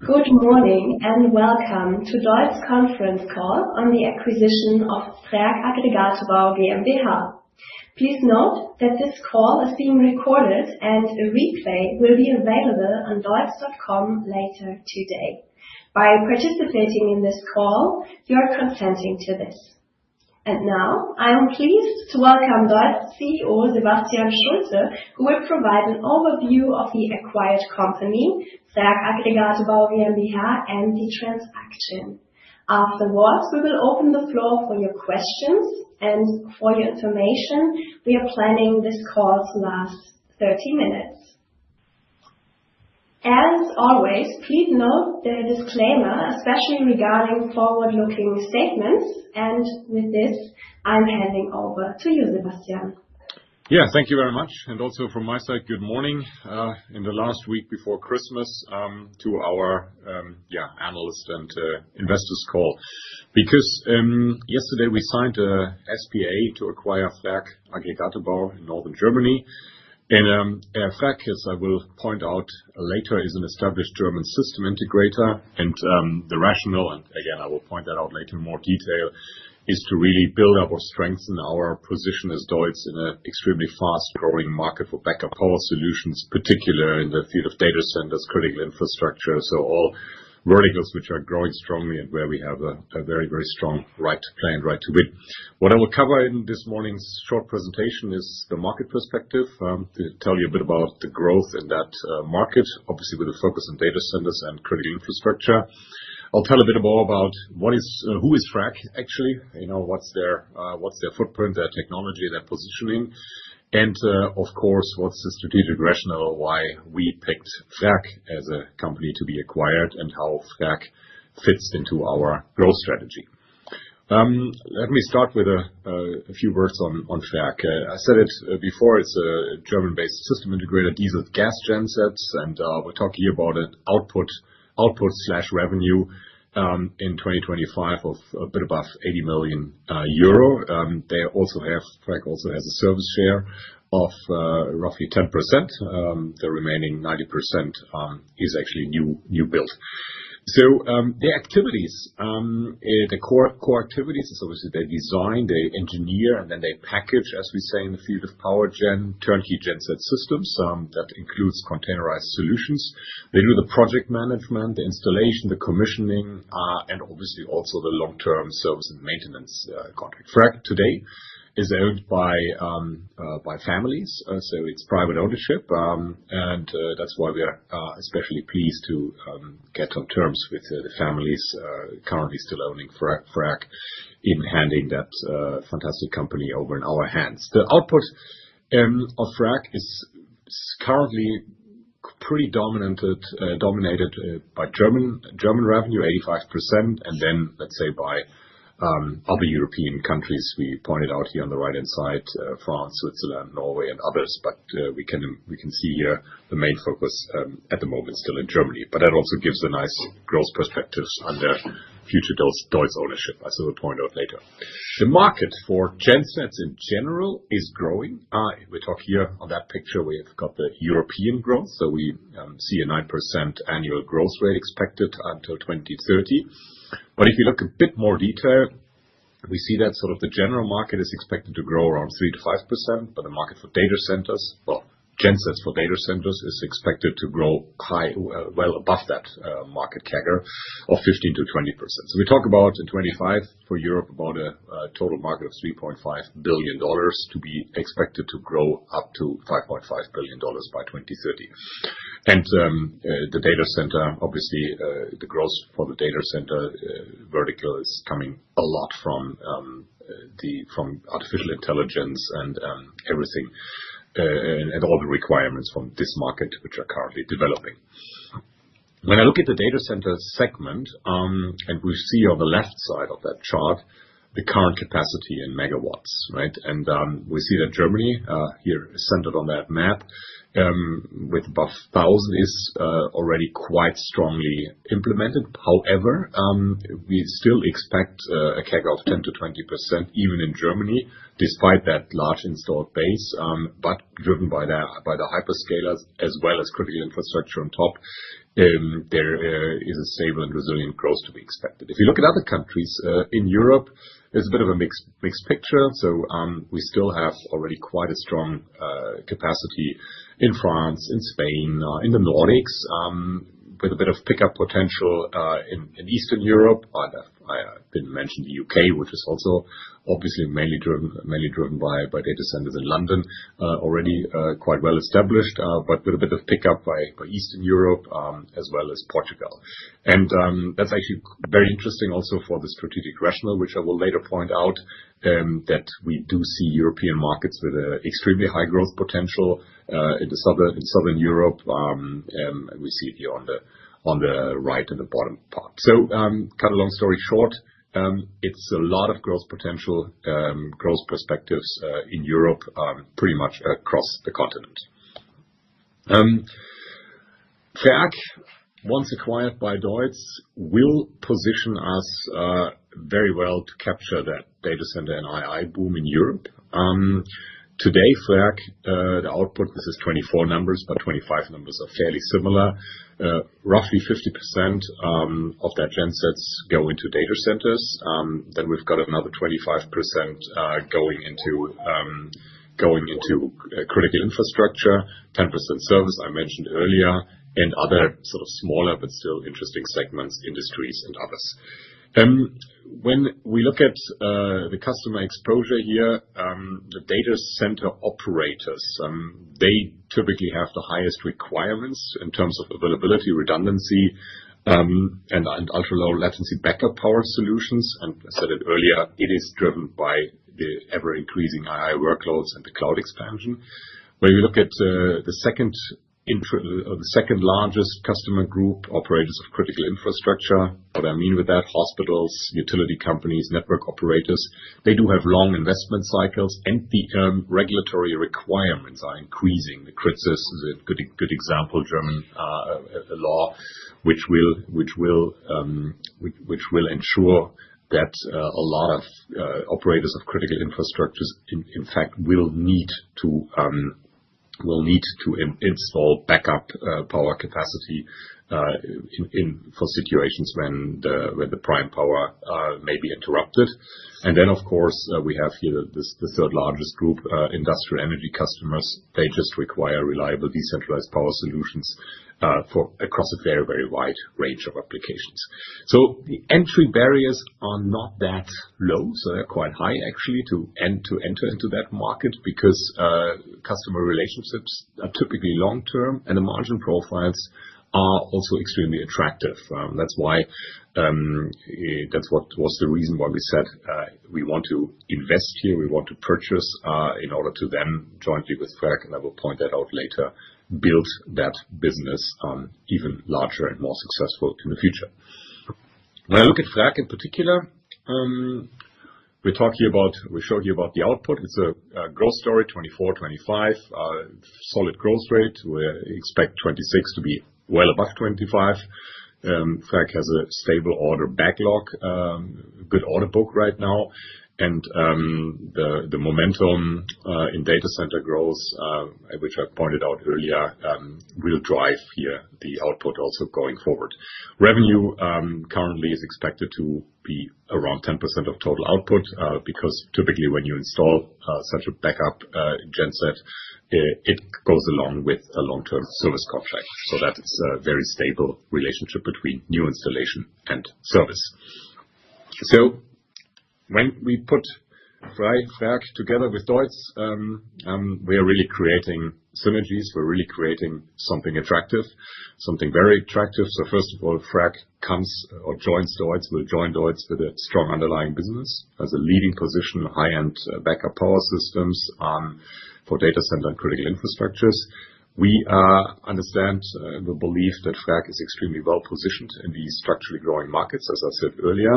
Good morning and welcome to DEUTZ conference call on the acquisition of Frerk Aggregatebau GmbH. Please note that this call is being recorded and a replay will be available on deutz.com later today. By participating in this call, you are consenting to this. Now, I am pleased to welcome DEUTZ CEO Sebastian Schulte, who will provide an overview of the acquired company, Frerk Aggregatebau GmbH, and the transaction. Afterwards, we will open the floor for your questions, and for your information, we are planning this call to last 30 minutes. As always, please note the disclaimer, especially regarding forward-looking statements, and with this, I'm handing over to you, Sebastian. Yeah, thank you very much, and also from my side, good morning in the last week before Christmas to our analysts and investors' call. Because yesterday we signed an SPA to acquire Frerk Aggregatebau in Northern Germany, and Frerk, as I will point out later, is an established German system integrator, and the rationale, and again, I will point that out later in more detail, is to really build up or strengthen our position as DEUTZ in an extremely fast-growing market for backup power solutions, particularly in the field of data centers, critical infrastructure, so all verticals which are growing strongly and where we have a very, very strong right to play and right to win. What I will cover in this morning's short presentation is the market perspective, tell you a bit about the growth in that market, obviously with a focus on data centers and critical infrastructure. I'll tell a bit more about who is Frerk, actually, what's their footprint, their technology, their positioning, and of course, what's the strategic rationale why we picked Frerk as a company to be acquired and how Frerk fits into our growth strategy. Let me start with a few words on Frerk. I said it before, it's a German-based system integrator, diesel-gas gensets, and we're talking about an output/revenue in 2025 of a bit above 80 million euro. They also have, Frerk also has a service share of roughly 10%. The remaining 90% is actually new build. So their activities, the core activities is obviously they design, they engineer, and then they package, as we say in the field of power gen, turnkey genset systems that includes containerized solutions. They do the project management, the installation, the commissioning, and obviously also the long-term service and maintenance contract. Frerk today is owned by families, so it's private ownership, and that's why we are especially pleased to get on terms with the families currently still owning Frerk in handing that fantastic company over in our hands. The output of Frerk is currently pretty dominated by German revenue, 85%, and then let's say by other European countries. We pointed out here on the right-hand side, France, Switzerland, Norway, and others, but we can see here the main focus at the moment still in Germany, but that also gives a nice growth perspective under future DEUTZ ownership, as we will point out later. The market for gensets in general is growing. We talk here on that picture, we have got the European growth, so we see a 9% annual growth rate expected until 2030. But if you look a bit more detail, we see that sort of the general market is expected to grow around 3%-5%, but the market for data centers, well, gensets for data centers is expected to grow well above that market CAGR of 15%-20%. So we talk about in 2025 for Europe about a total market of $3.5 billion to be expected to grow up to $5.5 billion by 2030. And the data center, obviously the growth for the data center vertical is coming a lot from artificial intelligence and everything and all the requirements from this market which are currently developing. When I look at the data center segment, and we see on the left side of that chart the current capacity in megawatts, right? And we see that Germany here is centered on that map with above 1,000, is already quite strongly implemented. However, we still expect a CAGR of 10%-20% even in Germany, despite that large installed base, but driven by the hyperscalers as well as critical infrastructure on top. There is a stable and resilient growth to be expected. If you look at other countries in Europe, it's a bit of a mixed picture. So we still have already quite a strong capacity in France, in Spain, in the Nordics with a bit of pickup potential in Eastern Europe. I didn't mention the U.K., which is also obviously mainly driven by data centers in London, already quite well established, but with a bit of pickup by Eastern Europe as well as Portugal. That's actually very interesting also for the strategic rationale, which I will later point out that we do see European markets with an extremely high growth potential in Southern Europe, and we see it here on the right in the bottom part. So cut a long story short, it's a lot of growth potential, growth perspectives in Europe pretty much across the continent. Frerk, once acquired by DEUTZ, will position us very well to capture that data center and AI boom in Europe. Today, Frerk, the output, this is 24 million, but 25 million are fairly similar. Roughly 50% of that gensets go into data centers. Then we've got another 25% going into critical infrastructure, 10% service I mentioned earlier, and other sort of smaller but still interesting segments, industries, and others. When we look at the customer exposure here, the data center operators, they typically have the highest requirements in terms of availability, redundancy, and ultra-low latency backup power solutions. And I said it earlier, it is driven by the ever-increasing AI workloads and the cloud expansion. When we look at the second largest customer group, operators of critical infrastructure, what I mean with that, hospitals, utility companies, network operators, they do have long investment cycles and the regulatory requirements are increasing. The KRITIS is a good example, German law, which will ensure that a lot of operators of critical infrastructures, in fact, will need to install backup power capacity for situations when the prime power may be interrupted. And then, of course, we have here the third largest group, industrial energy customers. They just require reliable decentralized power solutions across a very, very wide range of applications. So the entry barriers are not that low, so they're quite high actually to enter into that market because customer relationships are typically long-term and the margin profiles are also extremely attractive. That's why that's what was the reason why we said we want to invest here, we want to purchase in order to then jointly with Frerk, and I will point that out later, build that business even larger and more successful in the future. When I look at Frerk in particular, we're talking about, we showed you about the output. It's a growth story, 2024, 2025, solid growth rate. We expect 2026 to be well above 2025. Frerk has a stable order backlog, good order book right now, and the momentum in data center growth, which I pointed out earlier, will drive here the output also going forward. Revenue currently is expected to be around 10% of total output because typically when you install such a backup genset, it goes along with a long-term service contract. So that's a very stable relationship between new installation and service. So when we put Frerk together with DEUTZ, we are really creating synergies, we're really creating something attractive, something very attractive. So first of all, Frerk comes or joins DEUTZ, will join DEUTZ with a strong underlying business as a leading position, high-end backup power systems for data center and critical infrastructures. We understand and we believe that Frerk is extremely well positioned in these structurally growing markets, as I said earlier,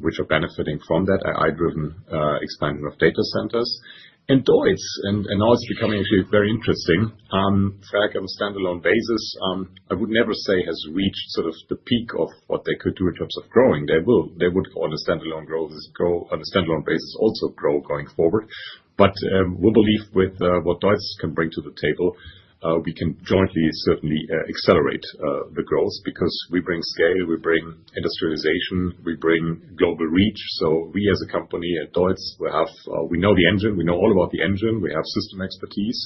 which are benefiting from that AI-driven expansion of data centers. DEUTZ and now it's becoming actually very interesting. Frerk, on a standalone basis, I would never say has reached sort of the peak of what they could do in terms of growing. They would go on a standalone growth, go on a standalone basis, also grow going forward, but we believe with what DEUTZ can bring to the table, we can jointly certainly accelerate the growth because we bring scale, we bring industrialization, we bring global reach, so we as a company at DEUTZ, we know the engine, we know all about the engine, we have system expertise.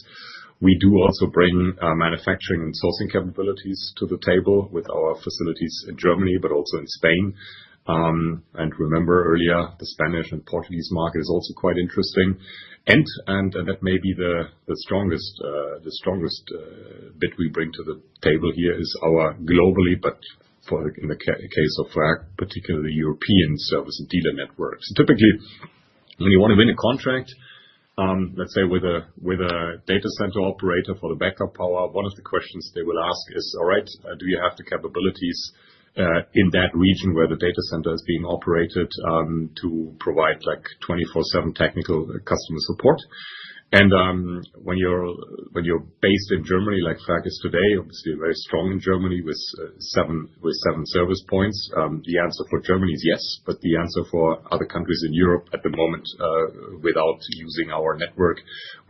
We do also bring manufacturing and sourcing capabilities to the table with our facilities in Germany, but also in Spain. Remember earlier, the Spanish and Portuguese market is also quite interesting. That may be the strongest bit we bring to the table here is our globally, but in the case of Frerk, particularly European service and dealer networks. Typically, when you want to win a contract, let's say with a data center operator for the backup power, one of the questions they will ask is, all right, do you have the capabilities in that region where the data center is being operated to provide like 24/7 technical customer support? When you're based in Germany, like Frerk is today, obviously very strong in Germany with seven service points, the answer for Germany is yes, but the answer for other countries in Europe at the moment without using our network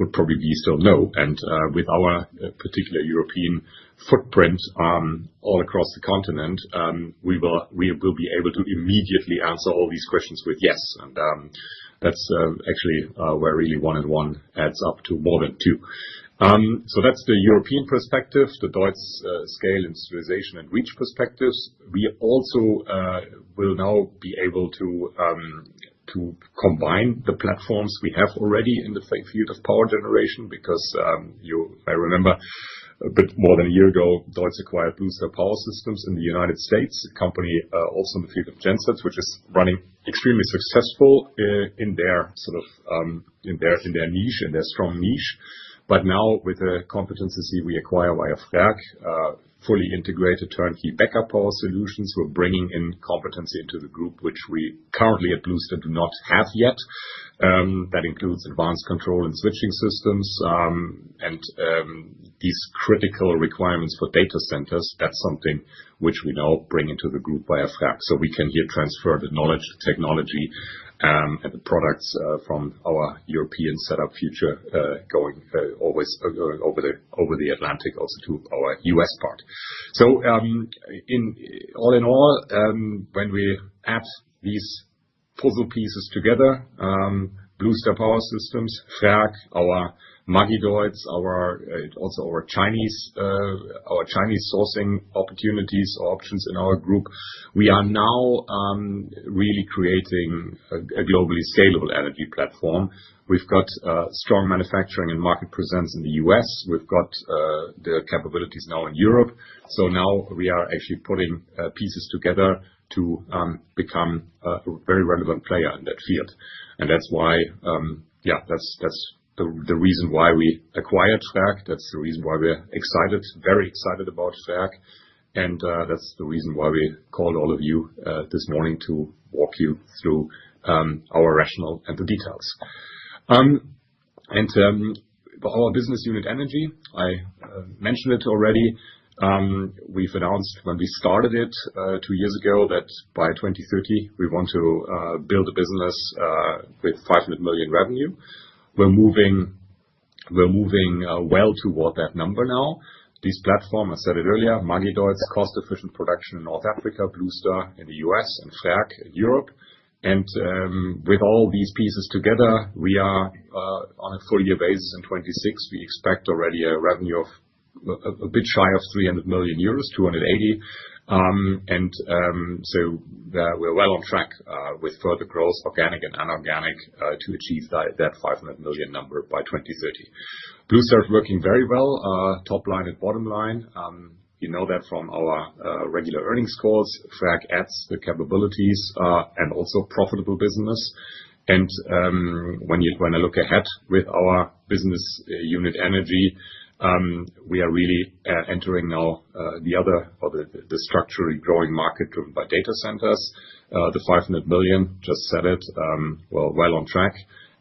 would probably be still no. With our particular European footprint all across the continent, we will be able to immediately answer all these questions with yes. And that's actually where really one and one adds up to more than two. So that's the European perspective, the DEUTZ scale and sustainability and reach perspectives. We also will now be able to combine the platforms we have already in the field of power generation because I remember a bit more than a year ago, DEUTZ acquired Blue Star Power Systems in the United States, a company also in the field of gensets, which is running extremely successful in their sort of, in their niche, in their strong niche. But now with the competency we acquire via Frerk, fully integrated turnkey backup power solutions, we're bringing in competency into the group, which we currently at Blue Star do not have yet. That includes advanced control and switching systems and these critical requirements for data centers. That's something which we now bring into the group via Frerk. So we can here transfer the knowledge, technology, and the products from our European setup future going always over the Atlantic also to our U.S. part. So all in all, when we add these puzzle pieces together, Blue Star Power Systems, Frerk, our Magideutz, also our Chinese sourcing opportunities or options in our group, we are now really creating a globally scalable energy platform. We've got strong manufacturing and market presence in the US. We've got the capabilities now in Europe. So now we are actually putting pieces together to become a very relevant player in that field. And that's why, yeah, that's the reason why we acquired Frerk. That's the reason why we're excited, very excited about Frerk. And that's the reason why we called all of you this morning to walk you through our rationale and the details. And our Business Unit Energy, I mentioned it already. We've announced when we started it two years ago that by 2030, we want to build a business with 500 millionrevenue. We're moving well toward that number now. These platforms, I said it earlier, Magideutz, cost-efficient production in North Africa, Blue Star in the U.S., and Frerk in Europe, and with all these pieces together, we are on a four-year basis in 2026. We expect already a revenue of a bit shy of 300 million euros, 280 million. And so we're well on track with further growth, organic and inorganic, to achieve that 500 million number by 2030. Blue Star is working very well, top line and bottom line. You know that from our regular earnings calls. Frerk adds the capabilities and also profitable business, and when I look ahead with our Business Unit Energy, we are really entering now the other or the structurally growing market driven by data centers. The 500 million, just said it, well on track,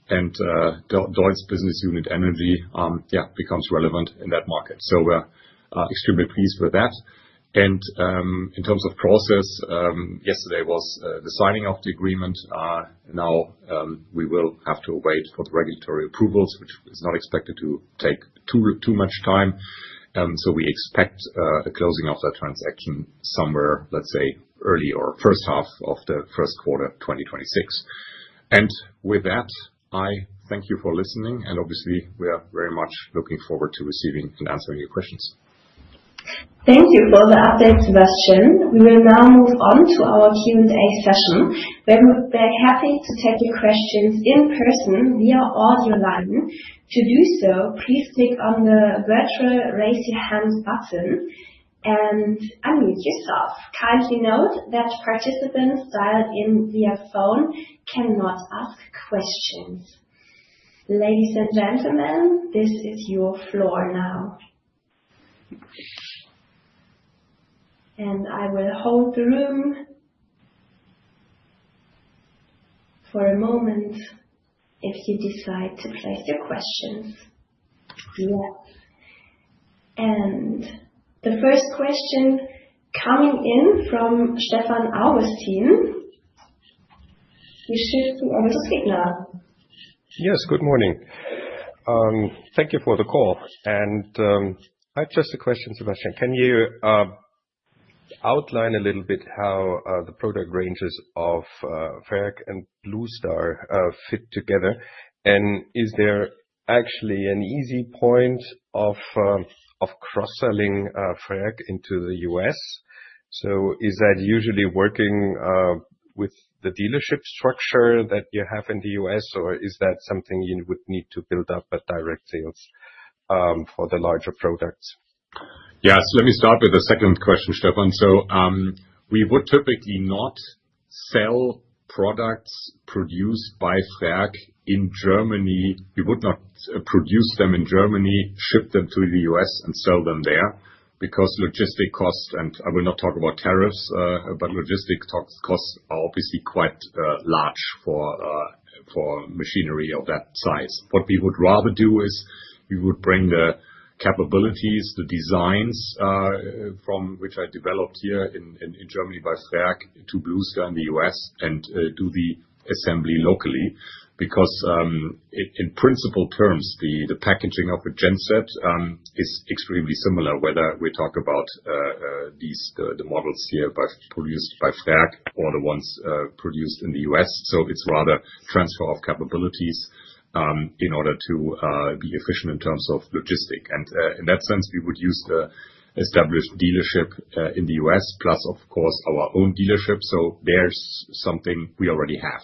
and DEUTZ Business Unit Energy, yeah, becomes relevant in that market, so we're extremely pleased with that and in terms of process, yesterday was the signing of the agreement. Now we will have to wait for the regulatory approvals, which is not expected to take too much time, so we expect a closing of that transaction somewhere, let's say early or first half of the first quarter 2026, and with that, I thank you for listening, and obviously we are very much looking forward to receiving and answering your questions. Thank you for the update, Sebastian. We will now move on to our Q&A session. We're very happy to take your questions in person via audio line. To do so, please click on the virtual raise your hand button and unmute yourself. Kindly note that participants dialed in via phone cannot ask questions. Ladies and gentlemen, this is your floor now. And I will hold the room for a moment if you decide to place your questions. Yes. And the first question coming in from Stefan Augustin. You should be able to speak now. Yes, good morning. Thank you for the call. And I have just a question, Sebastian. Can you outline a little bit how the product ranges of Frerk and Blue Star fit together? And is there actually an easy point of cross-selling Frerk into the U.S.? So is that usually working with the dealership structure that you have in the U.S., or is that something you would need to build up at direct sales for the larger products? Yes, let me start with the second question, Stefan. So we would typically not sell products produced by Frerk in Germany. We would not produce them in Germany, ship them to the U.S., and sell them there because logistics costs, and I will not talk about tariffs, but logistics costs are obviously quite large for machinery of that size. What we would rather do is we would bring the capabilities, the designs which we developed here in Germany by Frerk to Blue Star in the U.S. and do the assembly locally because in principle terms, the packaging of a genset is extremely similar whether we talk about the models here produced by Frerk or the ones produced in the U.S. So it's rather transfer of capabilities in order to be efficient in terms of logistics. And in that sense, we would use the established dealership in the U.S., plus of course our own dealership. So there is something we already have.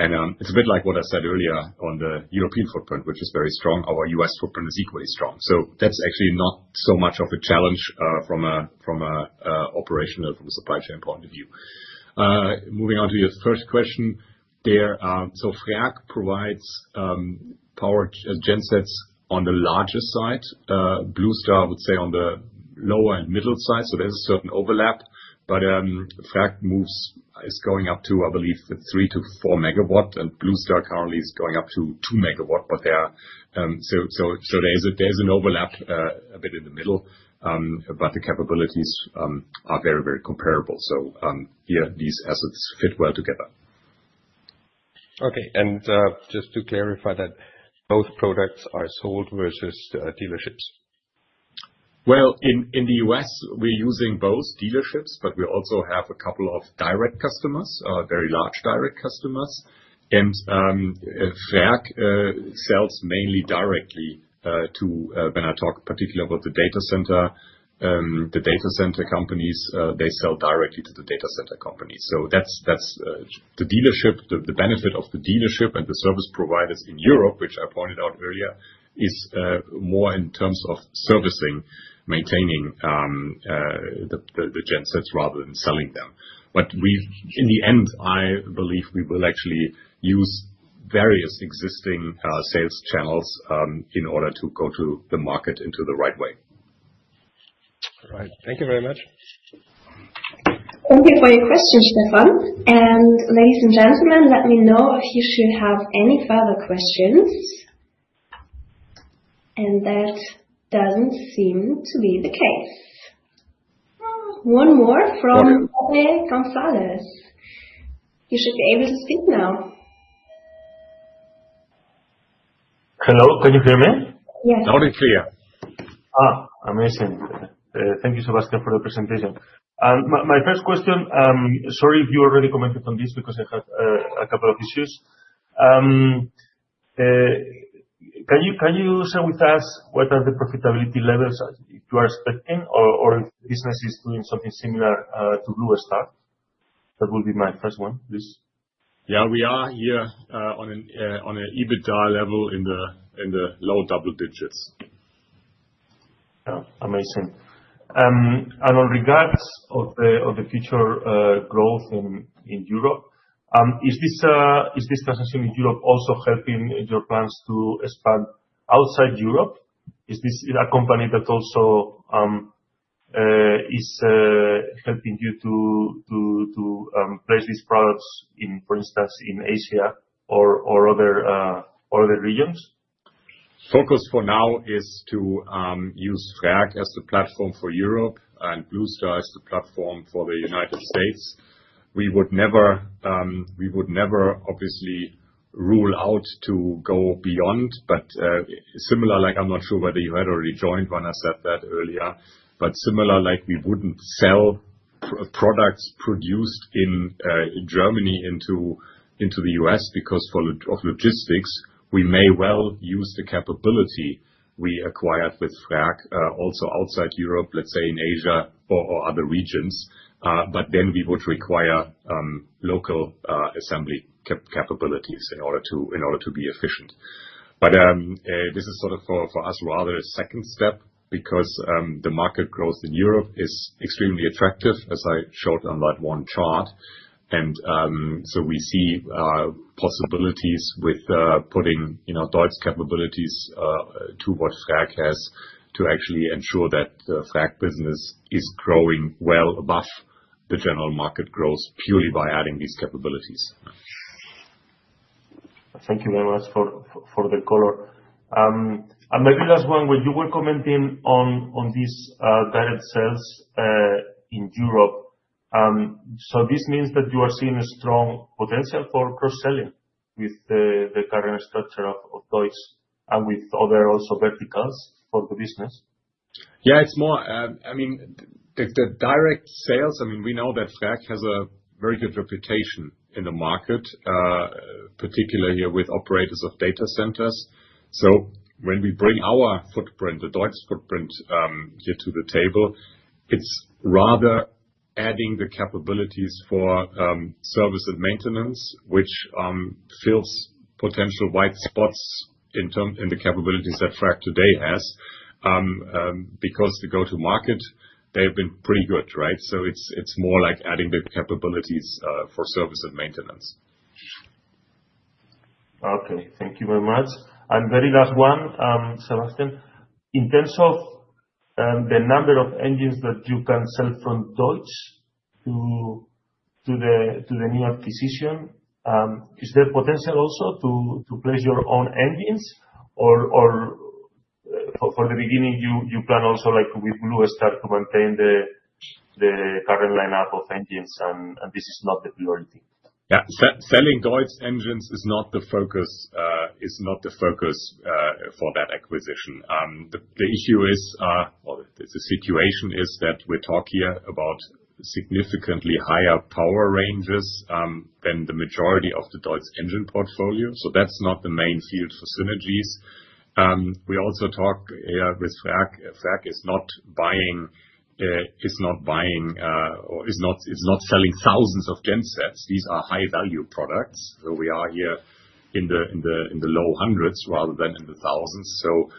It's a bit like what I said earlier on the European footprint, which is very strong. Our U.S. footprint is equally strong. That's actually not so much of a challenge from an operational, from a supply chain point of view. Moving on to your first question there. Frerk provides power gensets on the largest side. Blue Star is on the lower and middle side. There's a certain overlap. But Frerk is going up to, I believe, three to four megawatt. And Blue Star currently is going up to two megawatt, but there's an overlap a bit in the middle, but the capabilities are very, very comparable. Yeah, these assets fit well together. Okay. Just to clarify that both products are sold through dealerships? Well, in the U.S., we're using both dealerships, but we also have a couple of direct customers, very large direct customers. And Frerk sells mainly directly to, when I talk particularly about the data center, the data center companies. They sell directly to the data center companies. So that's the dealership, the benefit of the dealership and the service providers in Europe, which I pointed out earlier, is more in terms of servicing, maintaining the gensets rather than selling them. But in the end, I believe we will actually use various existing sales channels in order to go to the market in the right way. All right. Thank you very much. Thank you for your question, Stefan. And ladies and gentlemen, let me know if you should have any further questions. And that doesn't seem to be the case. One more from Jorge González. You should be able to speak now. Hello, can you hear me? Yes. Audible. Clear. Amazing. Thank you, Sebastian, for the presentation. My first question, sorry if you already commented on this because I had a couple of issues. Can you share with us what are the profitability levels you are expecting or if the business is doing something similar to Blue Star? That will be my first one, please. Yeah, we are here on an EBITDA level in the low double digits. Amazing. And in regards to the future growth in Europe, is this transition in Europe also helping your plans to expand outside Europe? Is this a company that also is helping you to place these products, for instance, in Asia or other regions? Focus for now is to use Frerk as the platform for Europe and Blue Star as the platform for the United States. We would never obviously rule out to go beyond, but similar like I'm not sure whether you had already joined when I said that earlier, but similar like we wouldn't sell products produced in Germany into the U.S. because of logistics. We may well use the capability we acquired with Frerk also outside Europe, let's say in Asia or other regions. But then we would require local assembly capabilities in order to be efficient. But this is sort of for us rather a second step because the market growth in Europe is extremely attractive, as I showed on that one chart, and so we see possibilities with putting DEUTZ capabilities to what Frerk has to actually ensure that the Frerk business is growing well above the general market growth purely by adding these capabilities. Thank you very much for the color. And maybe last one, when you were commenting on these direct sales in Europe, so this means that you are seeing a strong potential for cross-selling with the current structure of DEUTZ and with other also verticals for the business? Yeah, it's more, I mean, the direct sales, I mean, we know that Frerk has a very good reputation in the market, particularly here with operators of data centers. So when we bring our footprint, the DEUTZ footprint here to the table, it's rather adding the capabilities for service and maintenance, which fills potential white spots in the capabilities that Frerk today has because the go-to-market, they've been pretty good, right? So it's more like adding the capabilities for service and maintenance. Okay. Thank you very much. And very last one, Sebastian, in terms of the number of engines that you can sell from DEUTZ to the new acquisition, is there potential also to place your own engines? Or for the beginning, you plan also with Blue Star to maintain the current lineup of engines, and this is not the priority? Yeah, selling DEUTZ engines is not the focus for that acquisition. The issue is, or the situation is that we talk here about significantly higher power ranges than the majority of the DEUTZ engine portfolio. So that's not the main field for synergies. We also talk here with Frerk. Frerk is not buying or is not selling thousands of gensets. These are high-value products. So we are here in the low hundreds rather than in the thousands. So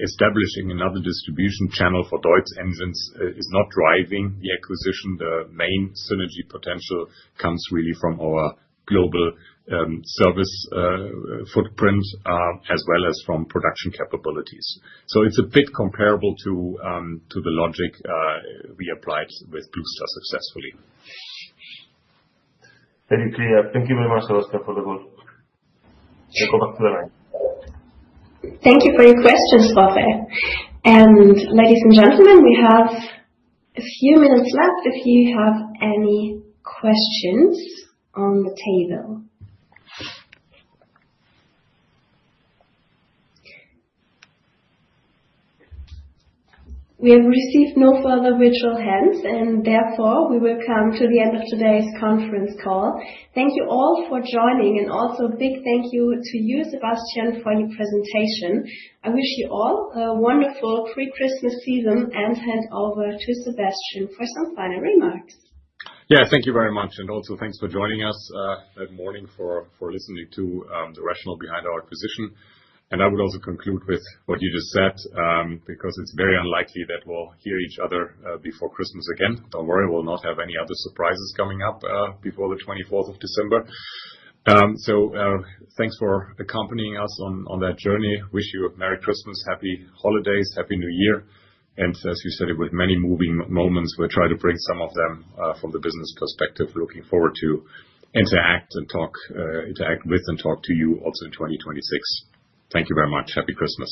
establishing another distribution channel for DEUTZ engines is not driving the acquisition. The main synergy potential comes really from our global service footprint as well as from production capabilities. So it's a bit comparable to the logic we applied with Blue Star successfully. Very clear. Thank you very much, Sebastian, for the call. You're coming to the line. Thank you for your questions, Jorge. And ladies and gentlemen, we have a few minutes left if you have any questions on the table. We have received no further virtual hands, and therefore we will come to the end of today's conference call. Thank you all for joining, and also a big thank you to you, Sebastian, for your presentation. I wish you all a wonderful pre-Christmas season and hand over to Sebastian for some final remarks. Yeah, thank you very much, and also thanks for joining us. Thank you for listening to the rationale behind our acquisition. And I would also conclude with what you just said because it's very unlikely that we'll hear each other before Christmas again. Don't worry, we'll not have any other surprises coming up before the 24th of December. So thanks for accompanying us on that journey. Wish you a Merry Christmas, Happy Holidays, Happy New Year. And as you said, with many moving moments, we'll try to bring some of them from the business perspective. We're looking forward to interact and talk with and talk to you also in 2026. Thank you very much. Happy Christmas.